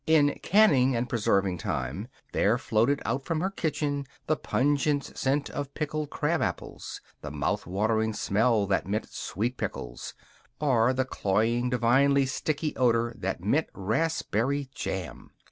In canning and preserving time there floated out from her kitchen the pungent scent of pickled crab apples; the mouth watering smell that meant sweet pickles; or the cloying, divinely sticky odor that meant raspberry jam.